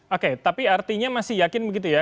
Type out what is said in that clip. oke tapi artinya masih yakin begitu ya